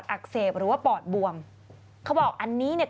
อักเสบหรือว่าปอดบวมเขาบอกอันนี้เนี่ย